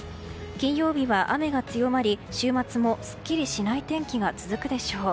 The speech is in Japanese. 金曜日は雨が強まり、週末もすっきりしない天気が続くでしょう。